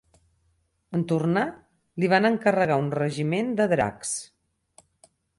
En tornar, li van encarregar un regiment de dracs.